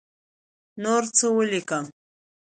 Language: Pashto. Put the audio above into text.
نور څه ولیکم.